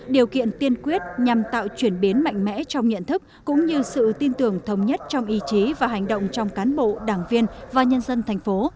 điều kiện tiên quyết nhằm tạo chuyển biến mạnh mẽ trong nhận thức cũng như sự tin tưởng thống nhất trong ý chí và hành động trong cán bộ đảng viên và nhân dân thành phố